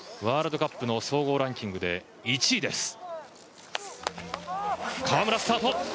ワールドカップの総合ランキングで１位です。